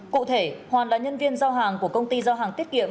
cụ thể hoàn là nhân viên giao hàng của công ty giao hàng tiết kiệm